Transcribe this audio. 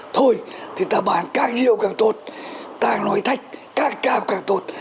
thôi thì ta bán càng nhiều càng tốt ta nói thách càng cao càng tốt